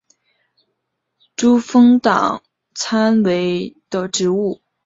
珠峰党参为桔梗科党参属的植物。